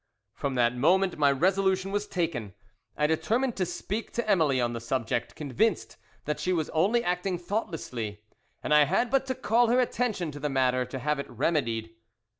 "From that moment my resolution was taken. I determined to speak to Emily on the subject, convinced that she was only acting thoughtlessly and I had but to call her attention to the matter to have it remedied.